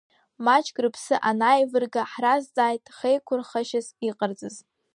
Маҷк рыԥсы анааивырга, ҳразҵааит хеиқәырхашьас иҟарҵаз.